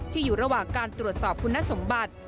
อยู่ระหว่างการตรวจสอบคุณสมบัติ